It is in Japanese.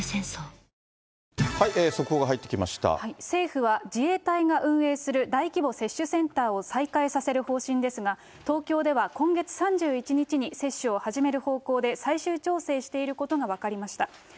政府は、自衛隊が運営する大規模接種センターを再開させる方針ですが、東京では今月３１日に接種を始める方向で、最終調整していることが分かりました。